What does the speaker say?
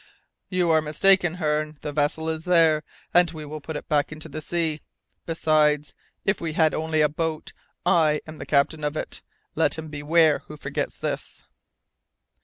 "You are mistaken, Hearne, the vessel is there, and we will put it back into the sea. Besides, if we had only a boat, I am the captain of it. Let him beware who forgets this!"